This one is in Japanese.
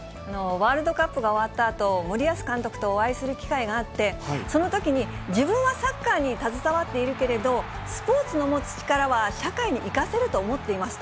ワールドカップが終わったあと、森保監督とお会いする機会があって、そのときに、自分はサッカーに携わっているけれど、スポーツの持つ力は社会に生かせると思っています。